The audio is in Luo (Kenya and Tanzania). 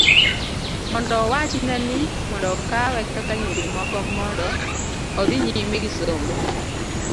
mondo owachne ni mondo okawe kaka nyiri moko mondo odhi nyime gi sombe